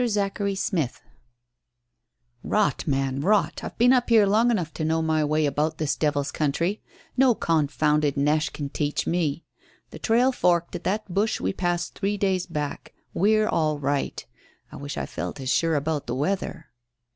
ZACHARY SMITH "Rot, man, rot! I've been up here long enough to know my way about this devil's country. No confounded neche can teach me. The trail forked at that bush we passed three days back. We're all right. I wish I felt as sure about the weather."